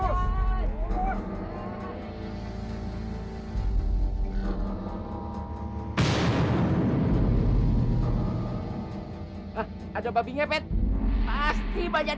ada babi ngepet pasti banyak